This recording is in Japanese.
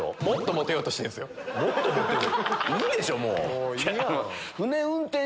いいでしょもう。